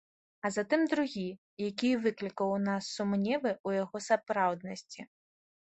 А затым другі, які і выклікаў у нас сумневы ў яго сапраўднасці.